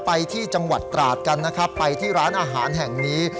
ไปที่จังหวัดตราดกันนะครับไปที่ร้านอาหารแห่งนี้